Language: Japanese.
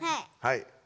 はい。